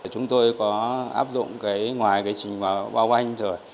chúng tôi có áp dụng cái ngoài cái trình báo quanh rồi